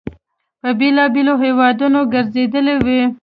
په بېلابېلو هیوادونو ګرځېدلی وي.